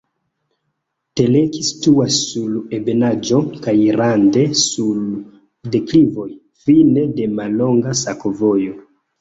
Teleki situas sur ebenaĵo kaj rande sur deklivoj, fine de mallonga sakovojo.